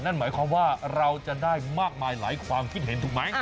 นั่นหมายความว่าเราจะได้มากมายหลายความคิดเห็นถูกไหม